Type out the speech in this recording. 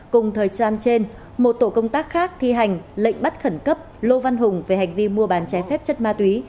cùng thời trang trên một tổ công tác khác thi hành lệnh bắt khẩn cấp lô văn hùng về hành vi mua bán trái phép chất ma túy